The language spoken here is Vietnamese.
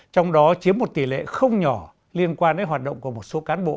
trong đó chiếm một tỷ lệ không nhỏ liên quan đến hoạt động của một số cán bộ